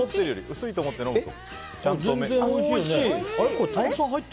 薄いと思って飲むと。